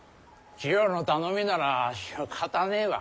千代の頼みならしかたねえわ。